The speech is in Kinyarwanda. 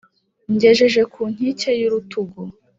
Ngejeje ku nkike y’urutugu,